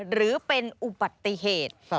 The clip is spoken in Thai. หรือเป็นอุบัติเหตุ